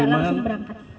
oh tidak langsung berangkat